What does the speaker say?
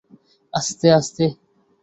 আস্তে, আস্তে!